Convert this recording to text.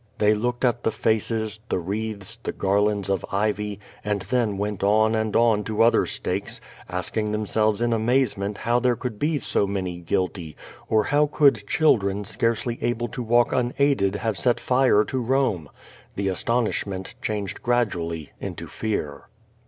They looked at the faces, the wreaths, the garlands of ivy, and then went on and on to other stakes, asking themselves in amazement how there could be so many guilty, or how could children scarcely able to walk unaided have set fire to Rome? The astonish ment changed gradually into fear.